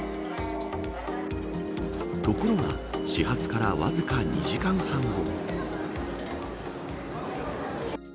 ところが、始発からわずか２時間半後。